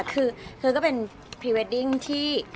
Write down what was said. คือก็เป็นพรีเวดดิ้งที่